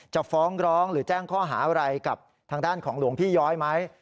ฟ้องร้องหรือแจ้งข้อหาอะไรกับทางด้านของหลวงพี่ย้อยไหม